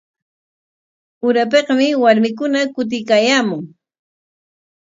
Urapikmi warmikuna kutiykaayaamun.